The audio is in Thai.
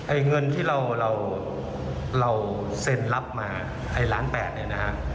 เงินที่เราเราเซ็นรับมาไอ้ล้านแปดเนี่ยนะฮะ